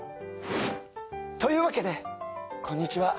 というわけでこんにちは。